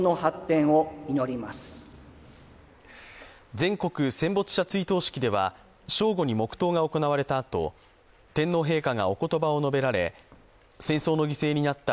全国戦没者追悼式では、正午に黙とうが行われたあと天皇陛下がおことばを述べられ戦争の犠牲になった